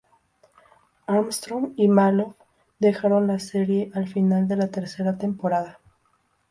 Armstrong y Maloof dejaron la serie al final de la tercera temporada.